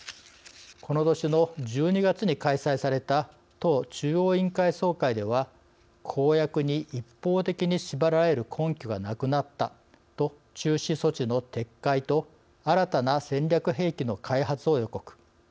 この年の１２月に開催された党中央委員会総会では公約に一方的に縛られる根拠がなくなったと、中止措置の撤回と新たな戦略兵器の開発を予告。